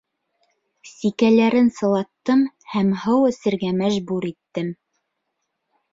Сикәләрен сылаттым һәм һыу эсергә мәжбүр иттем.